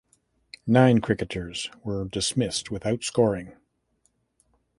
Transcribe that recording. Nine cricketers were dismissed without scoring.